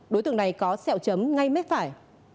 đối tượng này có sẹo chấm ngay mết phải